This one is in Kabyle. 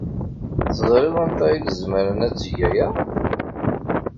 Teẓriḍ anta ay izemren ad teg aya?